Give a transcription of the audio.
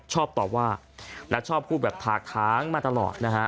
ชอบตอบว่าและชอบพูดแบบถากค้างมาตลอดนะฮะ